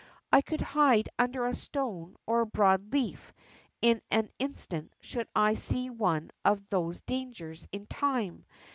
I could hide under a stone or a broad leaf in an instant should I see one of these dangers in time.